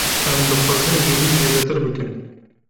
Em dixwazin ji vî zêdetir bikin.